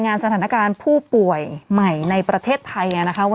นิวไฮมาอีกแล้ว๒๑๑๑๖